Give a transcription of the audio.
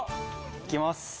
いきます。